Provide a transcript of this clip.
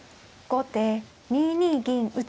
後手２二銀打。